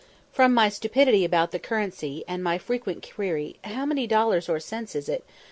From my stupidity about the currency, and my frequent query, "How many dollars or cents is it?"